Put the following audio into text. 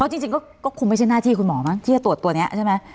จริงก็คงไม่ใช่หน้าที่คุณหมอมั้งที่จะตรวจตัวนี้ใช่ไหม